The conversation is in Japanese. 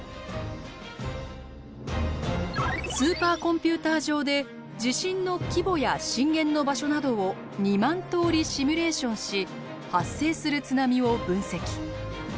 スーパーコンピューター上で地震の規模や震源の場所などを２万通りシミュレーションし発生する津波を分析。